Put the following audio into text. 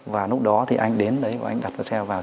và lúc đó thì anh đến đấy và anh đặt cái xe vào